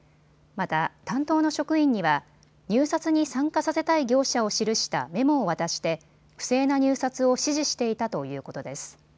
また担当の職員には入札に参加させたい業者を記したメモを渡して不正な入札を指示していたということです。